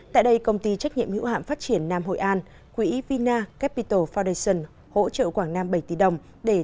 tại đây công ty trách nhiệm hữu hạn phát triển nam hội an quỹ vina capital foundation hỗ trợ quảng nam bảy tỷ đồng để